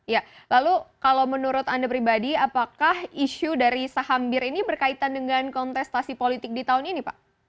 ya lalu kalau menurut anda pribadi apakah isu dari saham bir ini berkaitan dengan kontestasi politik di tahun ini pak